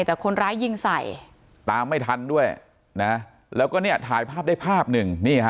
แต่คนร้ายยิงใส่ตามไม่ทันด้วยนะแล้วก็เนี่ยถ่ายภาพได้ภาพหนึ่งนี่ฮะ